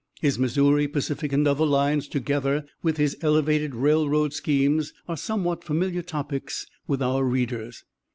His Missouri, Pacific and other lines, together with his elevated railroad schemes, are somewhat familiar topics with our readers.